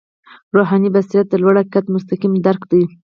روحاني بصیرت د لوړ حقیقت مستقیم درک دی.